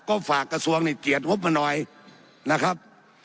ก็ฝากกระทรวงนี่เจียดงบมาหน่อยนะครับ